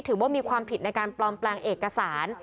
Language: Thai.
ถือว่ามีความผิดในการปลอมแปลงเอกสาร